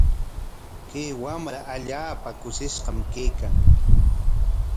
Kay wamra allaapa kushishqa kaykan.